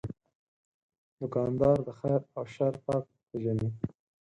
دوکاندار د خیر او شر فرق پېژني.